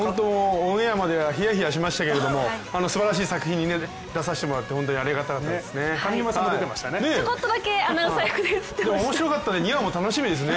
オンエアまではヒヤヒヤしましたけどすばらしい作品に出させてもらって本当にありがたかったですね。